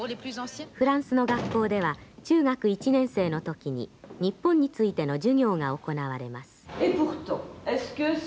「フランスの学校では中学１年生の時に日本についての授業が行われます」。